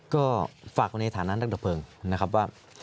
ก็ฝากว่าในฐานะดะเพิงนะครับว่า